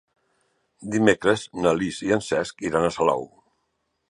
Dimecres na Lis i en Cesc iran a Salou.